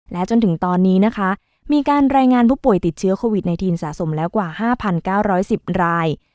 และจนถึงตอนนี้นะคะมีการรายงานผู้ป่วยติดเชื้อโควิด๑๙สะสมแล้วกว่า๕๙๑๐ราย